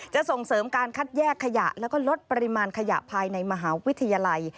ส่งเสริมการคัดแยกขยะแล้วก็ลดปริมาณขยะภายในมหาวิทยาลัย